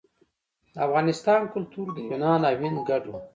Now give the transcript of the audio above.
د افغانستان کلتور د یونان او هند ګډ و